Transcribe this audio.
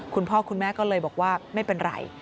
คุณพ่อคุณแม่ก็เลยบอกว่าไม่เป็นไร